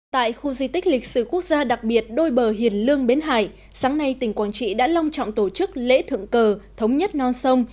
tại khu di tích lịch sử quốc gia đặc biệt đôi bờ hiền lương bến hải sáng nay tỉnh quảng trị đã long trọng tổ chức lễ thượng cờ thống nhất non sông